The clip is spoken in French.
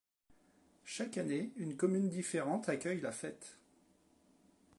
Chaque année, une commune différente accueille la fête.